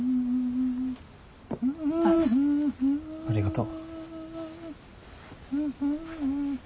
ありがとう。